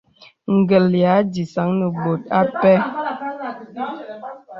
Gə̀l ya dìsaŋ nə bòt a pɛ.